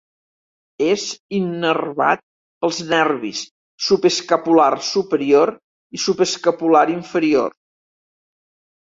És innervat pels nervis subescapular superior i subescapular inferior.